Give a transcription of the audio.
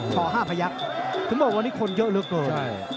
ช่อ๕พยักษ์ถึงบอกว่าวันนี้คนเยอะเยอะเกิน